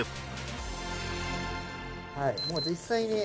もう実際に。